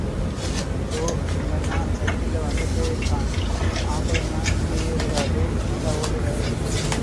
தோ.. எங்கண்ணா சைக்கிள்ல வந்துட்டே இருக்கான், நீ ஆம்புளைன்னா இங்கேயே இருடா... டேய்... ஏண்டா ஓடுறே...?